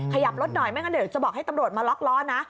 ขยับรถหน่อยไม่งั้นเดี๋ยวจะบอกให้ตำรวจมาล็อกล้อนะ